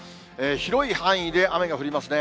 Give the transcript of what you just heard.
広い範囲で雨が降りますね。